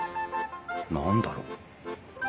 何だろう？